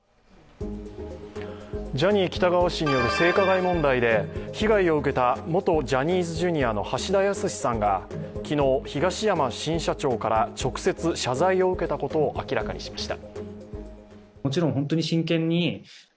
ジャニー喜多川氏による性加害問題で被害を受けた元ジャニーズＪｒ．の橋田康さんが昨日、東山新社長から直接謝罪を受けたことを明らかにしました。